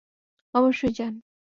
অবশ্যই, যান।